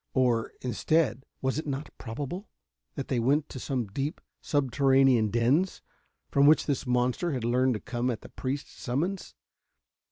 Or, instead, was it not probable that they went to some deep, subterranean dens, from which this monster had learned to come at the priests' summons?